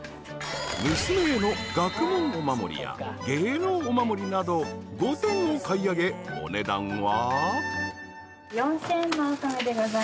［娘への学問お守りや芸能お守りなど５点を買い上げお値段は］